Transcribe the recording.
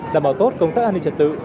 đảm bảo tốt công tác an ninh trật tự